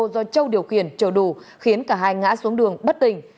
do châu điều khiển chở đủ khiến cả hai ngã xuống đường bất tỉnh